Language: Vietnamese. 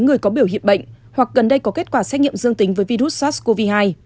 người có biểu hiện bệnh hoặc gần đây có kết quả xét nghiệm dương tính với virus sars cov hai